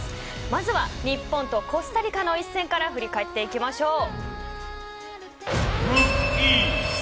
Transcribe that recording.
まずは日本とコスタリカの一戦から振り返っていきましょう。